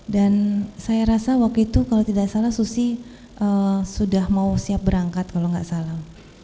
dan saya rasa waktu itu kalau tidak salah susi sudah mau siap berangkat kalau tidak salah